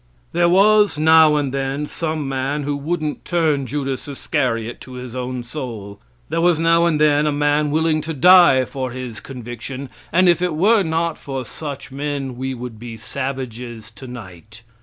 There was now and then some man who wouldn't turn Judas Iscariot to his own soul; there was now and then a man willing to die for his conviction, and if it were not for such men we would be savages tonight.